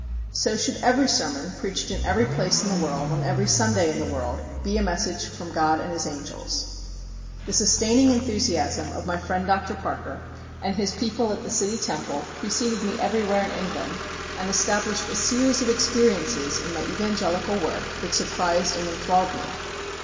So should every sermon, preached in every place in the world on every Sunday in the world, be a message from God and His angels! The sustaining enthusiasm of my friend, Dr. Parker, and his people at the City Temple, preceded me everywhere in England, and established a series of experiences in my evangelical work that surprised and enthralled me.